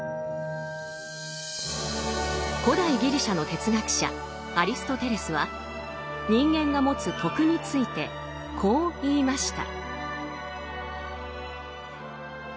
古代ギリシャの哲学者アリストテレスは人間が持つ「徳」についてこう言いました。